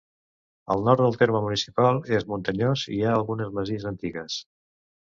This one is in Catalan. El nord del terme municipal és muntanyós i hi ha algunes masies antigues.